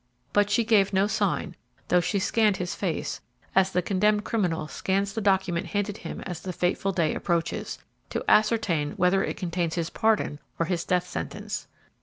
But she gave no sign, though she scanned his face, as the condemned criminal scans the document handed him as the fateful day approaches, to ascertain whether it contains his pardon or his death sentence.